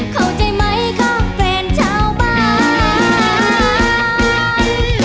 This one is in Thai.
เข้าใจไหมคะเฟรนชาวบ้าน